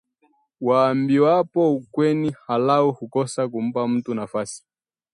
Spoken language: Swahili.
Waambiwapo ukweli aghalabu hukosa kumpa mtu nafasi